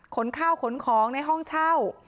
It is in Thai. ข้าวขนของในห้องเช่า